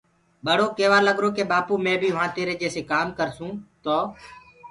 ٻڙو ڪيوآ لگرو ڪي ٻآپو مي بيٚ وهآنٚ تيري جيسي ڪآم ڪرسونٚ تو